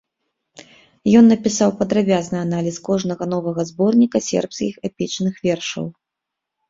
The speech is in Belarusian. Ён напісаў падрабязны аналіз кожнага новага зборніка сербскіх эпічных вершаў.